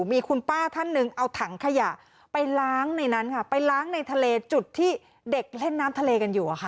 มีคุณป้าท่านหนึ่งเอาถังขยะไปล้างในนั้นค่ะไปล้างในทะเลจุดที่เด็กเล่นน้ำทะเลกันอยู่อะค่ะ